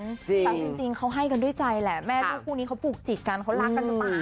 แต่จริงเขาให้กันด้วยใจแหละแม่ลูกคู่นี้เขาผูกจิกกันเขารักกันจะตาย